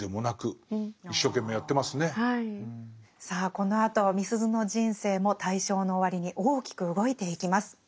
さあこのあとみすゞの人生も大正の終わりに大きく動いていきます。